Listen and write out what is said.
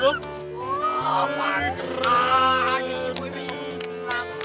boy bisa menyerah